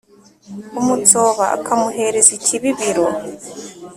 umutsoba akamuheerez ikibíbiro